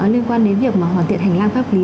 liên quan đến việc hoàn thiện hành lang pháp lý